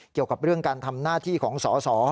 เกี่ยวกับเรื่องการทำหน้าที่ของสส